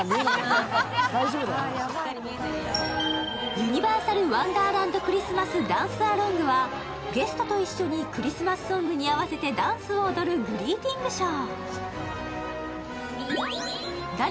「ユニバーサル・ワンダーランド・クリスマス・ダンス・ア・ロング」は、ゲストと一緒にクリスマスソングに合わせてダンスを踊るグリーティングショー。